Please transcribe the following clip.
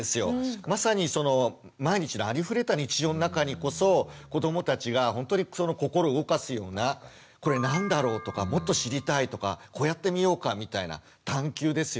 まさに毎日のありふれた日常の中にこそ子どもたちが本当に心を動かすような「これ何だろう？」とか「もっと知りたい」とか「こうやってみようか」みたいな探究ですよね。